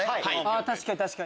確かに確かに。